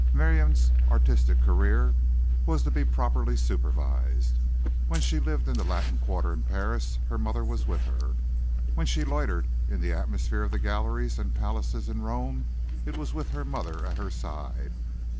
Miriam's artistic career was to be properly supervised. When she lived in the Latin Quarter in Paris her mother was with her; when she loitered in the atmosphere of the galleries and palaces in Rome it was with her mother at her side.